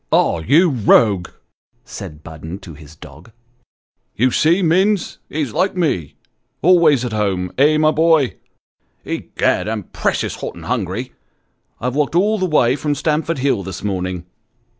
" Ah, you rogue !" said Budden to his dog ;" you see, Minns, he's like me, always at home, eh, my boy? Egad, I'm precious hot and hungry! I've walked all the way from Stamford Hill this morning."